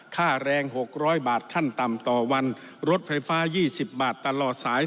ค่าแรง๖๐๐บาทขั้นต่ำต่อวันรถไฟฟ้า๒๐บาทตลอดสาย